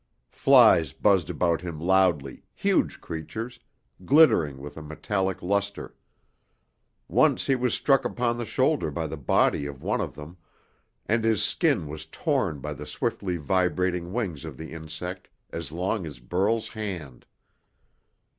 Flies buzzed about him loudly, huge creatures, glittering with a metallic luster. Once he was struck upon the shoulder by the body of one of them, and his skin was torn by the swiftly vibrating wings of the insect, as long as Burl's hand.